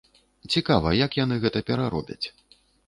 Цікава, як яны гэта пераробяць.